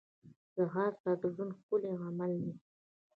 ځغاسته د ژوند ښکلی عمل دی